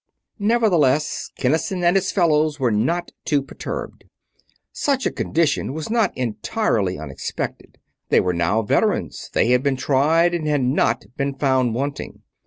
Nevertheless, Kinnison and his fellows were not too perturbed. Such a condition was not entirely unexpected. They were now veterans; they had been tried and had not been found wanting.